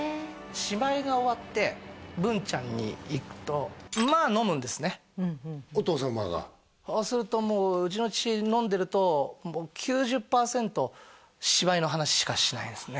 芝居が終わって文ちゃんに行くとまあ飲むんですねお父様がそうするともううちの父しかしないんですね